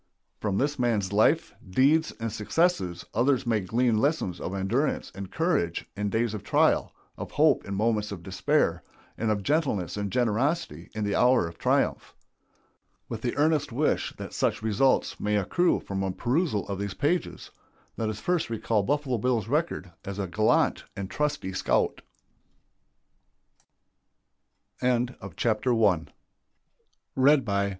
From this man's life, deeds, and successes others may glean lessons of endurance and courage in days of trial, of hope in moments of despair, and of gentleness and generosity in the hour of triumph. With the earnest wish that such results may accrue from a perusal of these pages, let us first recall Buffalo Bill's record as a gallant and trusty scout. [Illustration: THE RESULT OF BAD GUIDING.